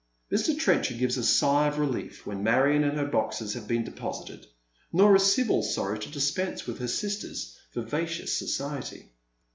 Mr. Trenchard gives a sigh of relief when Marion and her boxes have been deposited ; nor is Sibyl Bony to dispense with her sister's vivacious society.